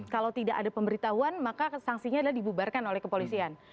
kalau tidak ada pemberitahuan maka sanksinya adalah dibubarkan oleh kepolisian